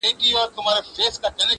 د ژوند مفهوم ورته بدل ښکاري او بې معنا,